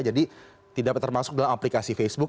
jadi tidak termasuk dalam aplikasi facebook